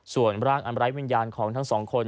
ส่วนร่างอันไร้วิญญาณของทั้งสองคน